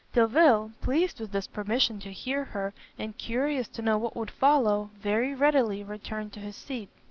Delvile, pleased with this permission to hear her, and curious to know what would follow, very readily returned to his seat.